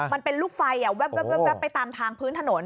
มันเป็นลูกไฟแว๊บไปตามทางพื้นถนน